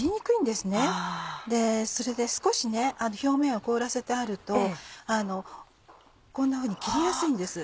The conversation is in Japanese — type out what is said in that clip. でそれで少し表面を凍らせてあるとこんなふうに切りやすいんです。